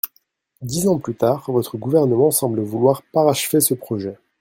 » Dix ans plus tard, votre gouvernement semble vouloir parachever ce projet.